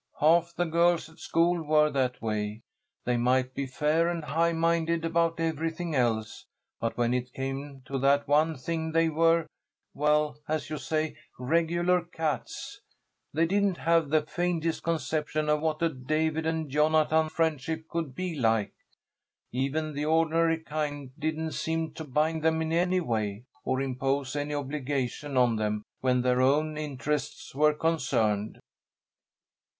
Half the girls at school were that way. They might be fair and high minded about everything else, but when it came to that one thing they were well, as you say, regular cats. They didn't have the faintest conception of what a David and Jonathan friendship could be like. Even the ordinary kind didn't seem to bind them in any way, or impose any obligation on them when their own interests were concerned."